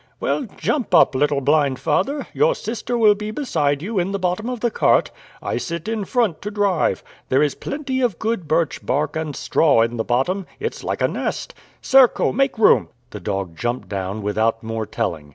"Well, jump up, little blind father. Your sister will be beside you, in the bottom of the cart; I sit in front to drive. There is plenty of good birch bark and straw in the bottom; it's like a nest. Serko, make room!" The dog jumped down without more telling.